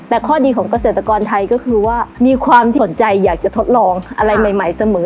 แต่ข้อดีของเกษตรกรไทยก็คือว่ามีความสนใจอยากจะทดลองอะไรใหม่เสมอ